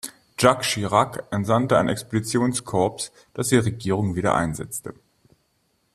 Jacques Chirac entsandte ein Expeditionskorps, das die Regierung wieder einsetzte.